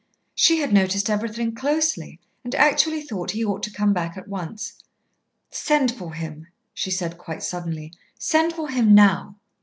She had noticed everything closely, and actually thought he ought to come back at once. "Send for him," she said quite suddenly; "send for him now."